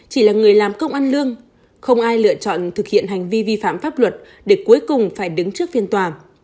chỉ là người làm công ăn lương không ai lựa chọn thực hiện hành vi vi phạm pháp luật để cuối cùng phải đứng trước phiên tòa